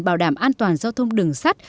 bảo đảm an toàn giao thông đường sắt